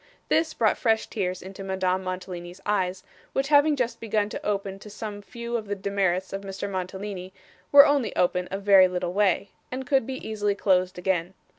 This brought fresh tears into Madame Mantalini's eyes, which having just begun to open to some few of the demerits of Mr. Mantalini, were only open a very little way, and could be easily closed again.